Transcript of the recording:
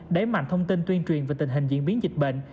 đẩy mạnh thông tin tuyên truyền về tình hình diễn biến dịch bệnh